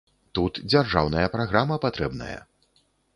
Тут дзяржаўная праграма патрэбная.